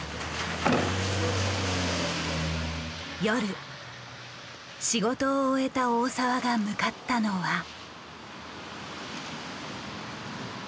夜仕事を終えた大澤が向かったのは。